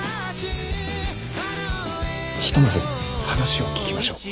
ひとまず話を聞きましょう。